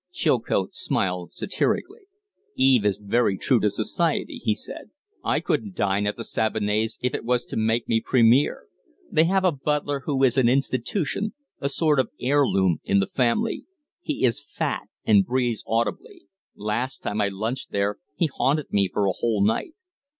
Chilcote smiled satirically. "Eve is very true to society," he said. "I couldn't dine at the Sabinets' if it was to make me premier. They have a butler who is an institution a sort of heirloom in the family. He is fat, and breathes audibly. Last time I lunched there he haunted me for a whole night."